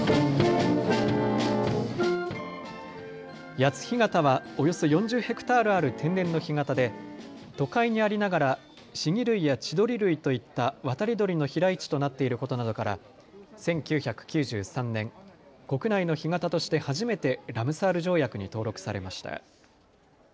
谷津干潟はおよそ４０ヘクタールある天然の干潟で都会にありながらシギ類やチドリ類といった渡り鳥の飛来地となっていることなどから１９９３年、国内の干潟として初めてラムサール条約に登録されました。